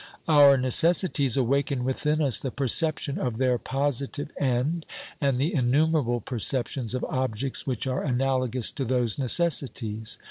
Our necessities awaken within us the perception of their positive end, and the innumerable perceptions of objects which are analogous to those necessities.